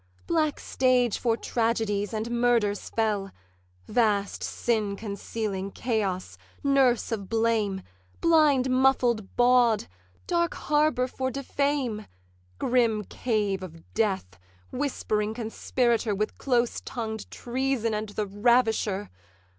Black stage for tragedies and murders fell! Vast sin concealing chaos! nurse of blame! Blind muffled bawd! dark harbour for defame! Grim cave of death! whispering conspirator With close tongued treason and the ravisher!